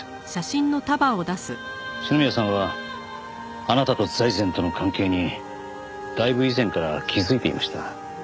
篠宮さんはあなたと財前との関係にだいぶ以前から気づいていました。